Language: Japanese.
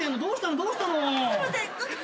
どうしたの？